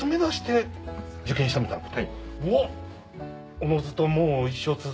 おのずともう。